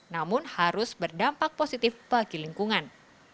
namun harus berdampak positif bagi lingkungan